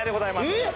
えっ！